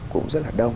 cũng rất là đông